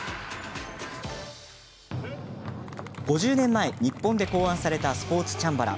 ５０年前、日本で考案されたスポーツチャンバラ。